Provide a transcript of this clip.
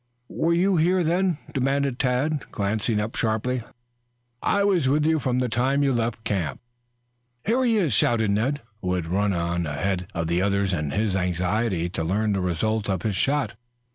"Were you here then?" demanded Tad, glancing up sharply. "I was with you from the time you left the camp." "Here he is," shouted Ned, who had run on ahead of the others in his anxiety to learn the result of his shot.